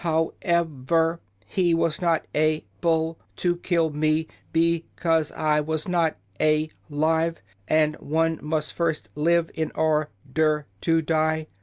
How ev er, he was not a ble to kill me, be cause I was not a live, and one must first live in or der to die.